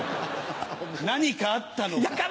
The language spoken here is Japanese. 何かあったのか？